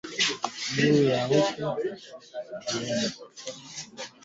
Rais aliidhinisha shilingi bilioni thelathini na nne